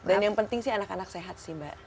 dan yang penting sih anak anak sehat sih mbak